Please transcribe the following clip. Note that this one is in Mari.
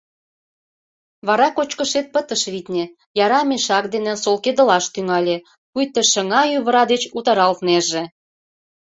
Вара кочкышет пытыш, витне, яра мешак дене солкедылаш тӱҥале, пуйто шыҥа-ӱвыра деч утаралтнеже...